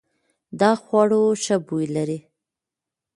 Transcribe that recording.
دا خوړو ښه بوی لري.